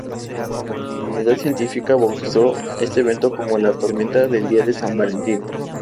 La comunidad científica bautizó este evento como la "Tormenta del día de San Valentín".